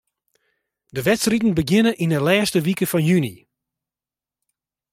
De wedstriden begjinne yn 'e lêste wike fan juny.